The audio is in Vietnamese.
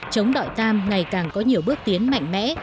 trống đội tan ngày càng có nhiều bước tiến mạnh mẽ